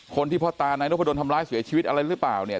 พ่อตานายนพดลทำร้ายเสียชีวิตอะไรหรือเปล่าเนี่ย